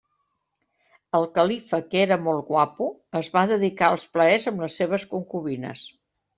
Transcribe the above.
El califa que era molt guapo, es va dedicar als plaers amb les seves concubines.